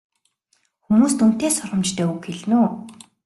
Хүмүүст үнэтэй сургамжтай үг хэлнэ үү?